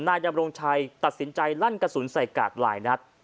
นายดำรงชัยตัดสินใจลั่นกระสุนใส่กาดหลายนัด